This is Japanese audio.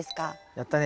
やったね。